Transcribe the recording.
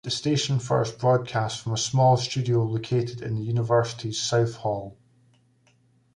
The station first broadcast from a small studio located in the university's South Hall.